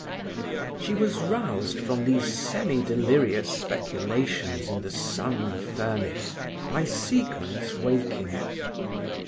She was roused from these semi delirious speculations in the sun furnace by Siegmund's waking.